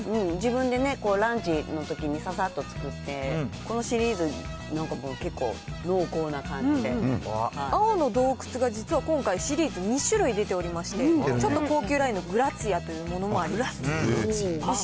自分でね、ランチのときにささっと作って、このシリーズ、なんかもう、結構、青の洞窟が、実は今回、シリーズ２種類出ておりまして、ちょっと高級ラインのグラッツィアというものもあります。